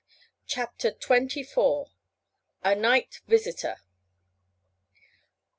CHAPTER TWENTY FOUR. A NIGHT VISITOR.